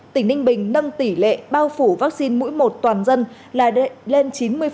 tỉnh ninh bình nâng tỷ lệ bao phủ vaccine mũi một toàn dân lên chín mươi